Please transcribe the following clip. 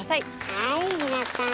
はい皆さん